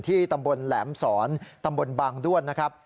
ตำบลแหลมสอนตำบลบางด้วนนะครับ